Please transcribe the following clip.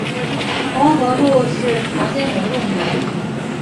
黄河路是常见的路名。